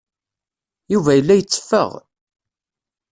Yuba yella yetteffeɣ.